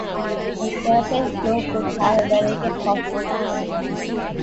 The surface low could have a variety of causes for forming.